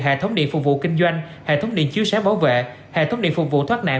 hệ thống điện phục vụ kinh doanh hệ thống điện chiếu sáng bảo vệ hệ thống điện phục vụ thoát nạn